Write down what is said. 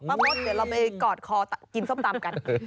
มดเดี๋ยวเราไปกอดคอกินส้มตำกัน